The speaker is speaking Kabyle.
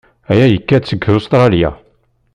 Aya yekka-d seg Ustṛalya.